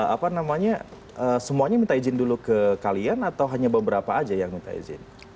apa namanya semuanya minta izin dulu ke kalian atau hanya beberapa aja yang minta izin